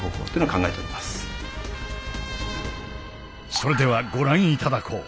それではご覧頂こう。